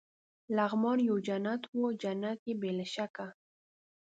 لغمان یو جنت وو، جنت يې بې له شکه.